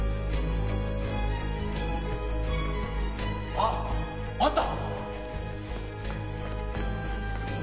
あっあった！